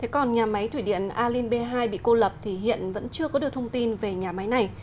còn nhà máy thủy điện alin b hai bị cô lập thì hiện vẫn chưa có được thông tin về nhà máy này